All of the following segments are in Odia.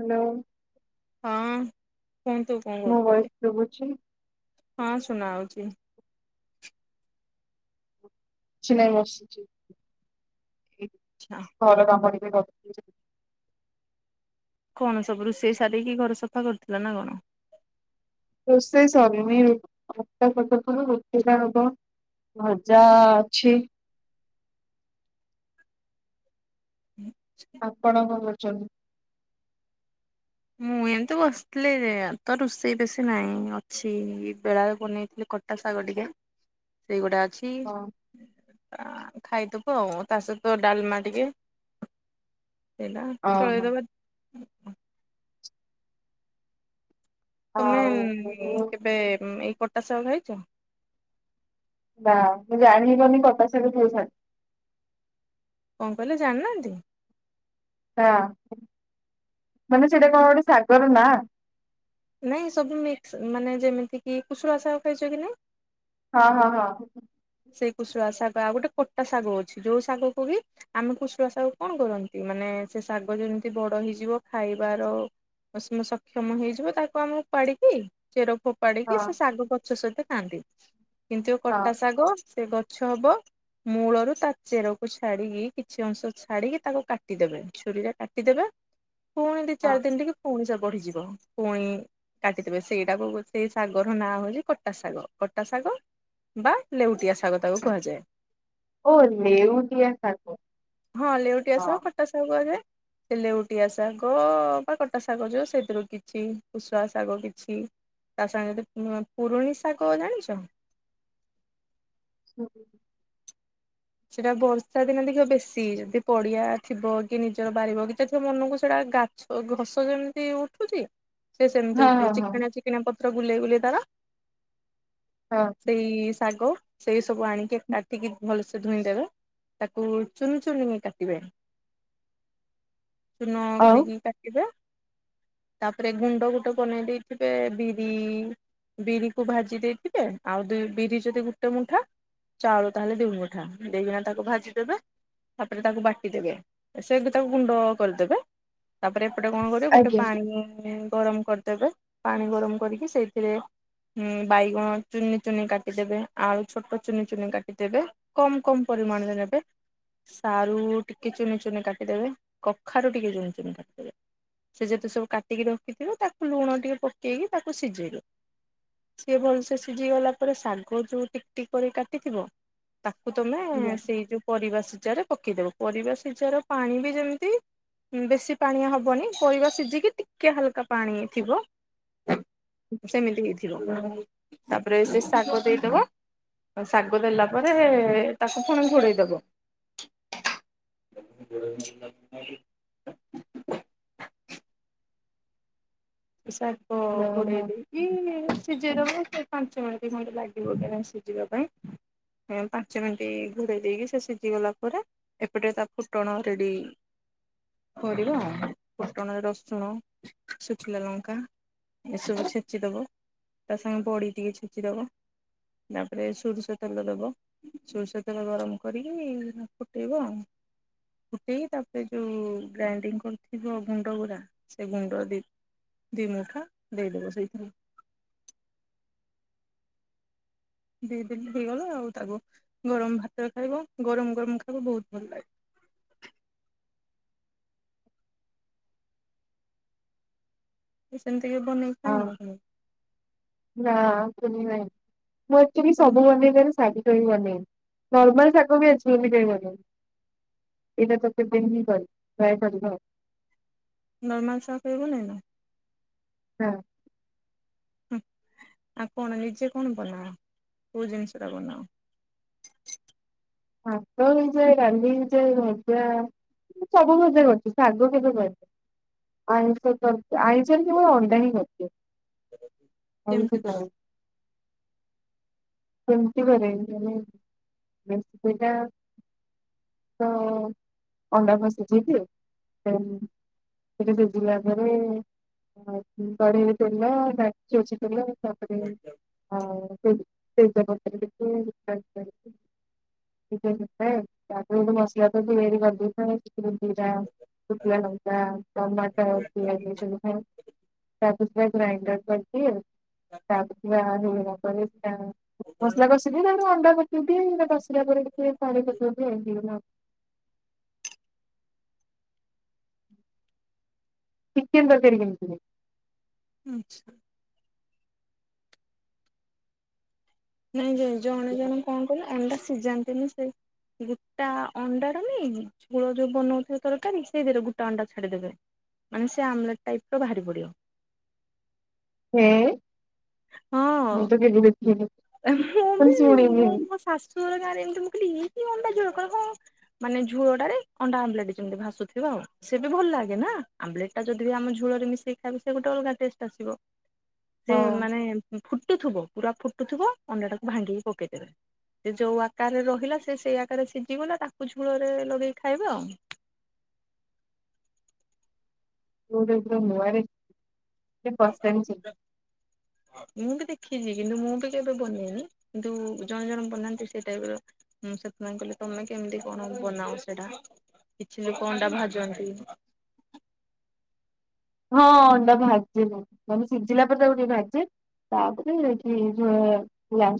ହାଲୋ। ହଁ କୁହନ୍ତୁ କଁ ମୋ ଭଏସ କରୁଛନ୍ତି। ଶୁଭୁଛି ହଁ ସୁୁନା ହଉଚି। କିଛି ନାଇଁ ବସିଛି। ଆଚ୍ଛା। ଘର କାମ ଟିକେ କ କଣ ସବୁ ରୋଷେଇ ସାରିକି ଘର ସଫା କରୁଥିଲା ନା କଣ? ରୋସେଇ ସରିନି ଅଟା ଚକଟୁ ଥିଲି ରୁଟି ହବ। ଭଜା ଅଛି। [inaudible] ଆପଣ କଣ କରୁଛନ୍ତି? ମୁଁ ଏମିତି ବସିଥିଲି ତ ରୁଷେଇ ବେଶୀ ନାହିଁ ଅଛି ବେଳାରେ ବନେଇଥିଲି କ ଶାଗ ଟିକେ ସେଇଗୁଟା ଅଛି। ହଁ ଆ ଖାଇଦବୁ ଆଉ ତା ସହିତ ଡାଲମା ଟିକେ। ଥିଲା ଓହୋ ଚଳେଇଦବା। ତମେ ଆଉ କେବେ ଉଁ ଏଇ କଟା ସାଗ ଖାଇଛ? ନା ମୁଁ ଜାଣିିବାରୁନି କଟା ଶାଗ କି ଶାଗ? କଣ କହିଲେ ଜାଣିନାହାନ୍ତି? ଟା ମାନେ ସେଇଟା କଣ ଗୋଟେ ଶାଗର ନାଁ? ନାଇଁ ସବୁ ମିକ୍ସ ମାନେ ଯେମିତି କି କୁସୁଳା ଶାଗ ଖାଇଛ କି ନାଇଁ? ହଁ ହଁ ହଁ। ସେଇ କୁଶୁଳା ଶାଗ ଆଉ ଗୋଟେ କୋଟା ଶାଗ ଅଛି ଯୋଉ ଶାଗକୁୁ ବି ଆମେ କୁଶୁଳା ଶାଗ କଣ କରନ୍ତି ମାନେ ସେ ଶାଗ ଯେମିତି ବଡ଼ ହେଇଯିବ ଖାଇବାର ସିମ ସକ୍ଷମ ହେଇଯିବ ତାକୁ ଆମକୁ ଉପାଡ଼ିକି ଚେର ଫୋ ପାଡ଼ିକି ହଁ। ସେ ଶାଗ ଗଛ ସହିତ ଖାଆନ୍ତି କିନ୍ତୁ ଏ ହଁ କଟା ଶାଗ ସେ ଗଛ ହବ। ମୂଳରୁ ତା ଚେରକୁ ଛାଡ଼ିକି କିଛି ଅଂଶ ଛାଡ଼ିକି ତାକୁ କାଟିଦେବେ ଛୁରୀରେ କାଟିଦେବେ। ପୁଣି ଦି ହଁ ଚାରି ଦିନ ଟିକେ ପୁଣି ସେ ବଢ଼ିଯିବ। ପୁଇଁ କାଟିଦେବେ ସେଇଟାକୁ ସେଇ ଶାଗର ନାଁ ହଉଛି କଟା ଶାଗ କଟା ଶାଗ ବା ଲେଉଟିଆ ଶାଗ ତାକୁ କୁହାଯାଏ। ଓ ନେଉଟିଆ ଶାଗ। ହଁ ଲେଉଟିଆ ହଁ। ଶାଗ କଟା ଶାଗ କୁହାଯାଏ। ସେ ଲେଉଟିଆ ଶାଗ ବା କଟା ଶାଗ ଯୋଉ ସେଥିରୁ କିଛି କୋଷୋଳ ଶାଗ କିଛି ତା ସାଙ୍ଗେ ଯଦି ପୁରୁଣି ଶାଗ ଜାଣିଛ। [inaudible] ସେଟା ବର୍ଷା ଦିନ ଦେଖିବ ବେଶୀ ଯଦି ପଡିଆ ଥିବ କି ନିଜର ବାରି ବଗିଚା ଥିବ ମନକୁ ସେଇଟା ଗା ସୋ ଘସ ଯେମିତି ଉଠୁଛି ସେ ସେମିତି ହଁ ଉଠିବ ହଁ ହଁ ଚିକେଣା ଚିକେଣା ପତ୍ର ଗୁଲେଇ ଗୋଲେଇ ତାର ହଁ। ସେଇ ଶାଗ ସେଇ ସବୁ ଆଣିକି କାଟିକି ଭଲଶ୍ ଧୋଇଁ ଦେବେ ତାକୁ ଚୁନୁ ଚୁନି କାଟିବେ। ଚୂନ ଆଉ କରିକି କାଟିବ। ତାପରେ ଗୁଣ୍ଡ ଗୋଟେ ବନେଇ ଦେଇଥିବେ ବିରି ବିରି କୁ ଭାଜି ଦେଇଥିବେ ଆଉ ବିରି ଯଦି ଗୋଟେ ମୁଠା ଚାଉଳ ତାହେଲେ ଦିଇ ମୁ ଠା ଦେଇକିନା ତାକୁ ଭାଜିଦେବେ ତାପରେ ତାକୁ ବାଟିଦେବେ ସେ ବିି ତାକୁ ଗୁଣ୍ଡ କରିଦେବେ ତାପରେ ଏପଟେ କଣ କରିବ ଗୋଟେ ଆଜ୍ଞା। ପାଣି ଗରମ କର୍ ଦେବେ ପାଣି ଗରମ କରିକି ସେଇଥିରେ ହୁଁ ବାଇଗଣ ଚୁନି ଚୁନି କାଟିଦେବେ ଆଳୁ ଛୋଟ ଚୁନି ଚୁନି କାଟିଦେବେ। କମ୍ କମ୍ ପରିମାଣରେ ନେବେ। ସାରୁ ଟିକେ ଚୁନି ଚୁନି କାଟିଦେବେ କଖାରୁ ଟିକେ ଚୁନି ଚୁନି କାଟିଦେବେ। ସେ ଯେତେ ସବୁ କାଟିକି ରଖିଥିବ ତାକୁ ଲୁଣ ଟିକେ ପକେଇକି ତାକୁ ସିଜେଇବେ। ସିଏ ଭଲସେ ସିଜି ଗଲା ପରେ ଶାଗ ଯୋଉ ଟିକଟିକ କରି କାଟିଥିବ ତାକୁ ତମେ ସେଇ ଯୋଉ ପରିବା ସିଜାରେ ପକେଇଦବ ପରିବା ସିଜାର ପାଣି ବି ଯେମତି ବେଶି ପାଣିଆ ହବନି ପରିବା ସିଜେକି ଟିକେ ହାଲକା ପାଣି ଥିବ [inaudible] ସେମିତି ହେଇଥିବ ତାପରେ ସେ ଶାଗ ଦେଇଦବ ତ ଶାଗ ଦେଲା ପରେ ତାକୁ ଫୁଣି ଘୋଡ଼େଇଦବ। [inaudible] ଶାଗ ଆଜ୍ଞା। ଘୋଡେଇ ଦେଇକି ସିଝେଇ ଦବ ଚାରି ପାଞ୍ଚ ମିନିଟ୍ ଖଣ୍ତେ ଲାଗିବ ଏରା ସିଜିବା ପାଇଁ। ଏଁ ପାଞ୍ଚ ମିନିଟ୍ ଘୋଡେଇ ଦେଇକି ସେ ସିଜି ଗଲା ପରେ ଏପଟେ ତା ଫୁଟଣ ରେଡି ପଡିବ ଆଉ ଫୁଟଣ ରସୁଣ ଚିଲା ଲଙ୍କା ଏସବୁ ଛେଚିଦବ ତା ସାଙ୍ଗେ ବଡି ଟିକେ ଛେଚିଦବ। ତାପରେ ସୋରିଷ ତେଲ ଦବ। ସୋରିଷ ତେଲ ଗରମ କରିକି ତମେ ଫୁଟେଇବ ଆଉ। ଫୁଟେଇ ତାପରେ ଯୋଉ ଗ୍ରାଇଣ୍ଡିଙ୍ଗ କରିଥିବ ଗୁଣ୍ଡଉରା ସେ ଗୁଣ୍ଡରା ଦେଇ ଦି ମୁଠା ଦେଇଦେବ ସେଇଥିରେ। ସେଇଥିରେ ଟିକେ ହେଇଗଲେ ଆଉ ତାକୁ ଗରମ ଭାତରେ ଖାଇବ ଗରମ ଗରମ ଖାବ ବହୁତ ଭଲ ଲାଗେ। ସେମତି କେବେ ବନେଇ ହଁ ନା ପୁନି ନାଇ। ମୁଁ ଆକଚୁଲି ତମେ? ସବୁ ବନେଇ ପାରେ ଶାଗ କେବେ ବନେଇନି ନର୍ମାଲ ଶାଗ ବି ଆଜି ଏମିତି ବନେଇନି। ଏଇଟା ତତେ [unintelligible] ନର୍ମାଲ ସର୍ଫ ଏଇଭଳିଆ ଟା ଆଉ କଣ ନିଜେ କଣ ବନାଅ କୋଉ ଜିନିଷ ଟା ବନାଅ? ଭାତ ହେଇଯାଏ ଡାଲି ହେଇଯାଏ ଭଜା ମୁଁ ସବୁ ଭଜା କରଚି ଶାଗ କେବେ କରିନି। ଆଇଁଷ କରଚି ଆଇଁଷରେ କେବଳ ଅଣ୍ଢା ହିଁ କରିଚି ଆଉ କେମିତି ବେଶୀ କର? କରେ କେମତି କରେ ମାନେ ବେଶୀ ଟା ତ ଅଣ୍ଡାକୁ ସିଜେଇ ଦିଏ ଡାଲି ଟିକେ ସିଜିଲା ପରେ ଆଉ ପୁଣି କଡେଇରେ ତେଲ ଡ଼ା ସୋରିଷ ତେଲ ତାପରେ ଅ କେ ତେଜପତ୍ର ଟିକେ ରିଫାଇନ ତେଲ [unintelligible] ତାପରେ ଜଉ ମସଲା ତିଆରି କରିଦେଇଥାଏ [unintelligible] ଶୁଖିଲା ଲଙ୍କା ଟମାଟର ପିଆଜ ଏ ସବୁ ପଡେ। ତାକୁ ସ୍ପ୍ରେଟ୍ ଗ୍ରାଇଣ୍ଡର କରିଦିଏ ଆଚ୍ଛା ତାକୁ କିଏ ଆଉ [unintelligible] ମସଲା କଷିବି ତାକୁ ଅଣ୍ଡା ପକେଇବି ହେଟା କସିଲା ପରେ ଟିକେ ପାଣି ପକେଇ ଦିଏ ହେଇଗଲା ଆଉ। ଚିକେନ୍ ତରକାରୀ କେମିତି ହୁଏ? ଆଛା। ନାଇ ନାଇ ଜଣେ ଜଣେ ଙ୍କ କହିଲ ଅଣ୍ଡା ସିଜାନ୍ତିନି ସେ ଗୁଟା ଅଣ୍ଡାଟା ନିଏନି ମୂଳ ଯୋଉ ବନଉଥିବେ ତରକାରୀ ସେଇଥିରେ ଗୁଟା ଅଣ୍ଡା ଛାଡ଼ିଦେବେ। ମାନେ ସେ ଆମ୍ ଲେଟ୍ ଟାଇପ୍ ର ବାହାରି ପଡିବ। ହେଁ ହଁ ମୁଁ ତ କେବେ ଦେଖିନି ମୁଁ ବି ଶୁଣିନି ମୁଁ ବି। [unintelligible] ମୁଁ କହିଲି ଇଏ କି ଅଣ୍ଡା ଝୋଳ କହିଲେ ହଁ। ମାନେ ଝୁଳଟାରେ ଅଣ୍ଡା ଆମଲେଟ ଯେମିତି ଭାୁସୁଥିବ ଆଉ। ସେ ବି ଭଲ ଲାଗେ ନା ଆମଲେଟ୍ ଟା ଯଦି ବି ଆମେ ଝୋଳରେ ମିଶେଇ ଖାଇବୁ ସେ ଗୋଟେ ଅଲଗା ଟେଷ୍ଟ ଆସିବ। ହଁ ସେ ମୁଁ ମାନେ ଫୁଟୁଥିବ ପୁରା ଫୁଟୁଥିବ ଅଣ୍ଡା ଟାକୁ ଭାଙ୍ଗିକି ପକେଇଦେବେ। ସେ ଯୋଉ ଆକାରରେ ରହିଲା ସେ ସେଇ ଆକାରରେ ସିଝିଗଲା ତାକୁ ଝୋଳରେ ଲଗେଇକି ଖାଇବେ ଆଉ। [unintelligible] ନୂଆରେ [unintelligible] ମୁଁ ବି ଦେଖିଛି କିନ୍ତୁ ମୁଁ ବି କେବେ ବନେଇନି କିନ୍ତୁ ଜଣେ ଜଣେ ବନାନ୍ତି ସେ ଟାଇପ୍ ର। ମୁଁ ସେଥିପାଇଁ କହିଲି ତମେ କେମିତି କଣ ବନାଅ ସେଇଟା? କିଛି ଲୋକ ଅଣ୍ଡା ଭାଜନ୍ତି। ହଁ ଅଣ୍ଡା ଭାଜେନା ମାନେ ସିଝିଲା ପରେ ତାକୁ ଟିକେ ଭାଜେ। ତାପରେ ଏଠି ଲା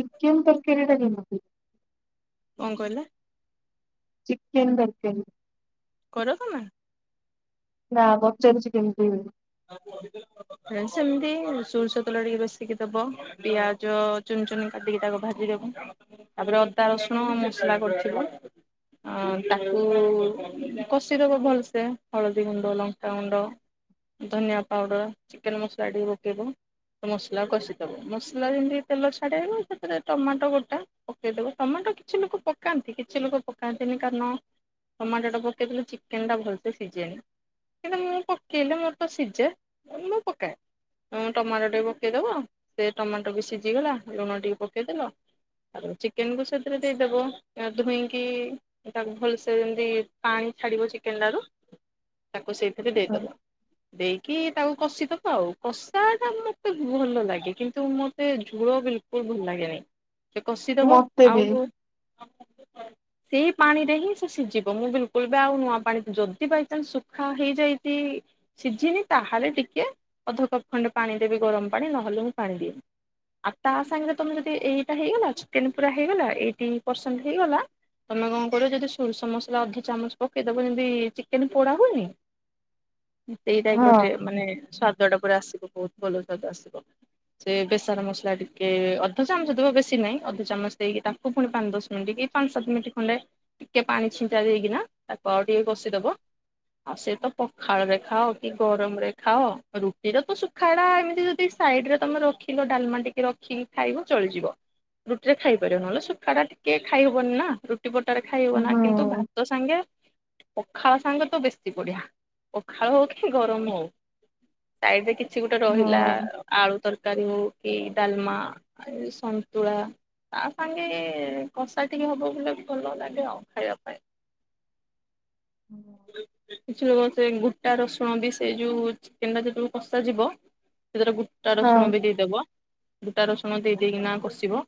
ଚିକେନ ତରକାରୀ ଟା କେମିତି? କଣ କହିଲା? ଚିକେନ୍ ତରକାରୀ। କର ତମେ? ନା ପଚାରୁଛି କେମିତି ସେମିତି ସୋରିଷ ତେଲ ଟିକେ ବେଶିକି ଦବ ପିଆଜ ଚୁନି ଚୁନି କାଟିକି ତାକୁ ଭାଜିଦବୁ ତାପରେ ଅଦା ରସୁଣ ମସଲା କରିଥିବ। ଆଁ ତାକୁ କଷିଦବ ଭଲସେ ହଳଦୀ ଗୁଣ୍ଡ ଲଙ୍କାଗୁଣ୍ଡ ଧନିଆ ପାଉଡ଼ର ଚିକେନ ମସଲା ଟିକେ ପକେଇବ। ମସଲା କଷିଦବ ମସଲା ଯେମିତି ତେଲ ଛାଡିଦବ ସେଥିରେ ଟମାଟୋ ଗୋଟା ପକେଇଦବ ଟମାଟୋ କିଛି ଲୋକ ପକାନ୍ତି କିଛି ଲୋକ ପକାନ୍ତିନି କାରଣ ଟମାଟୋଟା ପକେଇଥିଲୁ ଚିକେନ ଟା ଭଲସେ ସିଝେନି କିନ୍ତୁ ମୁଁ ପକେଇଲେ ମୋର ତ ଶିଝେ ମୁଁ ପକାଏ। ହୁଁ ଟମାଟୋ ଟିକେ ପକେଇଦବ। ସେ ଟମାଟୋ ବି ସିଝିଗଲା। ଲୁଣ ଟିକେ ପକେଇଦେଲ। ଆଉ ଚିକେନକୁୁ ସେଥିରେ ଦେଇଦେବ। ଧୁଇଁକି ତାକୁ ଭଲସେ ଯେମିତି ପାଣି ଛାଡ଼ିବ ଚିକେନଟାରୁ ତାକୁ ସେଇଥିରେ ଦେଇଦବ। ଦେଇକି ତାକୁ କଷିଦବା ଆଉ କଷା ଟା ମତେ ଭଲ ଲାଗେ କିନ୍ତୁ ମତେ ଝୁଳ ବିଲ୍ ଟିକେ ଭଲ ଲାଗେନି। ତ କଷିଦବା ମତେ ବି ଆଉ ସେଇ ପାଣି ରେ ହିଁ ସେ ସିଝିବ ମୁଁ ବିଲକୁଲ ବି ଆଉ ନୂଆ ପାଣି ଯଦି ବାଇଚାନ୍ସ ଶୁଖା ହେଇଯାଇଛି। ସିଝିନି ତାହେଲେ ଟିକେ ଅଧ କପ ଖଣ୍ଡେ ପାଣି ଦେବି ଗରମ ପାଣି ନହେଲେ ମୁଁ ପାଣି ଦିଏନି। ଆଉ ତା ସାଙ୍ଗରେ ତମେ ଯଦି ଏଇଟା ହେଇଗଲା ଚ ଚିକେନ ପୁରା ହେଇଗଲା ଏଇଟି ପରସେଣ୍ଟ ହେଇଗଲା। ତମେ କଣ କରିବ ଯଦି ସୋରିଷ ମସଲା ଅଧ ଚାମଚ ପକେଇଦବ ଯେମିତି ଚିକେନ ପୋଡ଼ା ହଉନି। ସେଇ ଟାଇପର ହଁ ଟେ ମାନେ ସ୍ଵାଦ ଟା ପୁରା ଆସିବ। ବହୁତ ଭଲ ସ୍ଵାଦ ଆସିବ। ସେ ବେସର ମସଲା ଟିକେ ଅଧ ଚାମଚ ଦବ। ବେଶୀ ନାହିଁ ଅଧ ଚାମଚ ଦେଇକି ତାକୁ ପୁଣି ପାଞ୍ଚ ଦଶ ମିନିଟ କି ପାଞ୍ଚ ସାତ ମିନିଟ୍ ଖଣ୍ଡେ ଟିକେ ପାଣି ଛିଞ୍ଚାଡି ଦେଇକିନା ତାକୁ ଆଉ ଟିକେ କଷିଦବ। ଆଉ ସେ ତ ପଖାଳରେ ଖାଅ କି ଗରମ ରେ ଖାଅ ରୁଟିରେ ତ ଶୁଖାଡା ଏମତି ଯଦି ସାଇଡ ରେ ତମେ ରଖିଲ ଡାଲମା ଟିକେ ର ରଖିକି ଖାଇକ ଚଳିଯିବ ରୁଟି ରେ ଖାଇ ପାରିବ ନହେଲେ ଶୁଖା ଟା ଟିକେ ଖାଇହବନି ନା ରୁ ରୁଟି ପରଟାରେ ଖାଇ ହବ ହଁ ନା କିନ୍ତୁ ହଁ। ଭାତ ସାଙ୍ଗେ ପଖାଳ ସାଙ୍ଗେ ତ ବେଶୀ ବଢିଆ। ପଖାଳ ହଉ କି ଗରମ ହଉ ସାଇଡରେ କିଛି ଗୋଟେ ରହିଲା। ଆଳୁ ତରକାରୀ ହୋଉ କି ଡାଲମା ସନ୍ତୁଳା। ତା ସାଙ୍ଗେ କଷା ଟିକେ ହବ ବୋଲେ ଭଲ ଲାଗେ ଆଉ ଖାଇବା ପାଇଁ ହୁଁ କିଛି [unintelligible] ସେ ଗୁଟା ରସୁଣ ବି ସେ ଯୋଉ ଚେକେନ ଟା ଯେତେବେଳେ କଷାଯିବ ସେଥିରେ ଗୁଟା ରସୁଣ ହଁ ବି ଦେଇଦବ ଗୁଟା ରସୁଣ ଦେଇ ଦେଇକିନା କଷିବ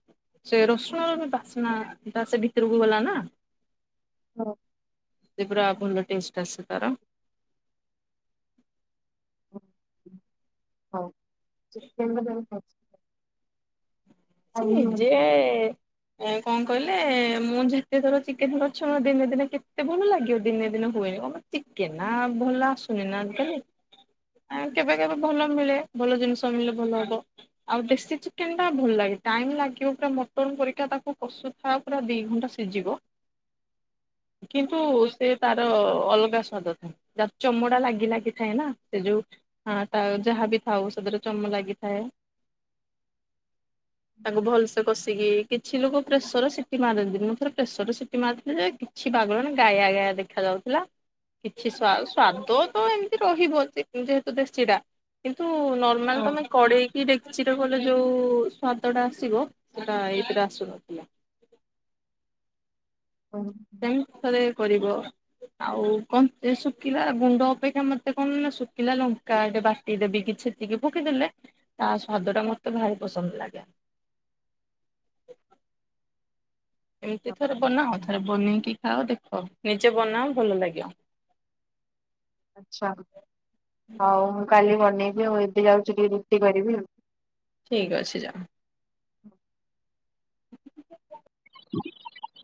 ସେ ରସୁଣର ବାସ୍ନା ତା ସେ ଭିତରକୁ ଗଲା ନା ହଁ ସେ ପୁରା ଭଲ ଟେଷ୍ଟ ଆସେ ତାର ହଉ ଚିକେନ ସେ ନିଜେ ଏ କଣ କହିଲେ ମୁଁ ଯେତେଥର ଚିକେନ କରିଛି ମ ଦିନେ ଦିନେ କେତେ ଭଲ ଲାଗେ ଦିନେ ଦିନେ ହୁଏନି କଣ ପାଇଁ ଚିକେକେ ନା ଭଲ ଆସୁନି ନା ଆଜି କାଲି ଆ କେବେ କେବେ ଭଲ ମିଳେ ଭଲ ଜିନିଷ ମିିଳିଲେ ଭଲ ହବ ଆଉ ଦେଶୀ ଚିକେନ ଟା ଭଲ ଲାଗେ ଟାଇମ ଲାଗିବ ପୁରା ମଟନ ପରିକା ତାକୁ କଷୁଥା ପୁରା ଦି ଘଣ୍ଟା ସିଝିବ କିନ୍ତୁ ସେ ତାର ଅଲଗା ସ୍ୱାଦ ଥାଏ ଯା ଚମଡା ଲାଗି ଲାଗିଥାଏ ନା ସେ ଯୋଉ ହଁ ତା ଯାହାବି ଥାଉ ସେଥିରେ ଚମ ଲାଗିଥାଏ। ତାକୁ ଭଲସେ କଷିକି କିଛି ଲୋକ ପ୍ରେସର ସିଟି ମାରିନ୍ତିନି ପ୍ରେସର ସିଟି ମାରିଥିଲି ଯେ କିଛି ବାଗ ଲାଗିଲାଣି ଗାଇଆଦେଖା ଯାଉଥିଲା କିଛି ସ୍ୱା ସ୍ଵାଦ ତ ଏମିତି ରହିବ ଯେହେତୁ ଦେଶୀ ଟା କିନ୍ତୁ ନ ନର୍ମାଲ ତମେ କଡେଇକି ଡେ଼କଚିରେ କଲେ ଯୋଉ ସ୍ୱା ଦଟା ଆସିବ ସେଟା ଏଇଥିରେ ଆସୁନଥିଲା ହଁ ସେମିତି ଥରେ କରିବ। ଆଉ କ ଶୁଖିଲା ଗୁଣ୍ଡ ଅପେକ୍ଷା ମତେ କଣ ନା ଶୁଖିଲା ଲଙ୍କା ଏଟେ ବା ଟି ଦେଵି କିିଛି ଛେଚିକି ପକେଇଦେଲେ ତା ସ୍ଵାଦ ଟା ମତେ ଭାରି ପସନ୍ଦ ଲାଗେ ଏମିତି ଥରେ ବନାଅ ଥରେ ବନେଇକି ଖାଅ ଦେଖ ନିଜେ ବନାଅ ଭଲ ଲାଗିବ ଆଚ୍ଛା ହଉ ମୁଁ କାଲି ବନେଇବି ଆଉ ଏବେ ଯାଉଛି ଟିକେ ରୁଟି କରିବି ଆଉ ଠିକ୍ ଅଛି ଯାଅ [inaudible] [inaudible]